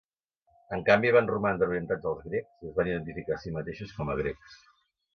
En canvi, van romandre orientats als grecs i es van identificar a si mateixos com a grecs.